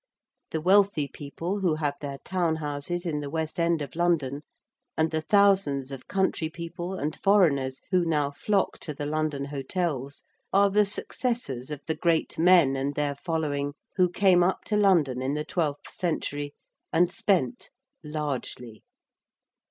The wealthy people who have their town houses in the West End of London and the thousands of country people and foreigners who now flock to the London hotels are the successors of the great men and their following who came up to London in the twelfth century and spent 'largely.'